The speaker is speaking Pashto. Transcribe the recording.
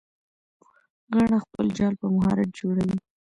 غڼه خپل جال په مهارت جوړوي